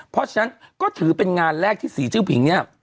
เพราะฉะนั้นก็ถือเป็นงานแรกที่สีจื้อผิงเนี่ย